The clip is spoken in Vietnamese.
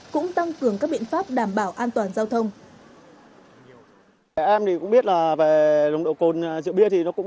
cũng tăng cường các biện pháp đảm bảo an toàn giao thông